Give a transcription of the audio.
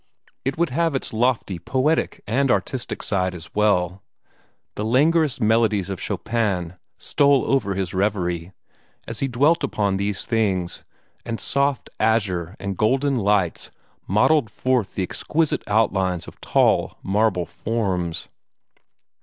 It would have its lofty poetic and artistic side as well; the languorous melodies of Chopin stole over his revery, as he dwelt upon these things, and soft azure and golden lights modelled forth the exquisite outlines of tall marble forms.